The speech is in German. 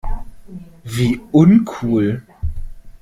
Wie uncool!